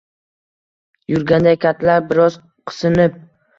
Yurganday kattalar biroz qisinib.